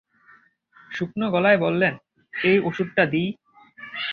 শুকনো গলায় বললেন, এই অষুধটা দিই।